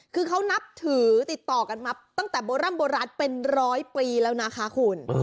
คือเขานับถือติดต่อกันมาตั้งแต่โบร่ำโบราณเป็นร้อยปีแล้วนะคะคุณ